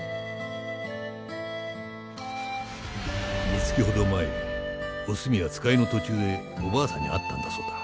みつきほど前おすみは使いの途中でおばあさんに会ったんだそうだ。